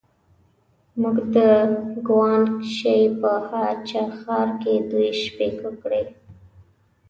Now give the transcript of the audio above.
موږ د ګوانګ شي په هه چه ښار کې دوې شپې وکړې.